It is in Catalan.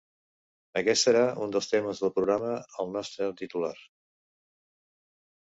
Aquest serà un dels temes del programa, el nostre titular.